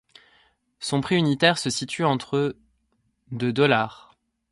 Son prix unitaire se situe entre de dollars.